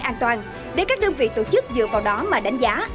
an toàn để các đơn vị tổ chức dựa vào đó mà đánh giá